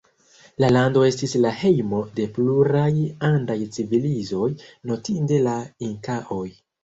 La lando estis la hejmo de pluraj andaj civilizoj, notinde la inkaoj.